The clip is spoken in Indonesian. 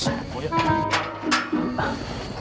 saya temenin pak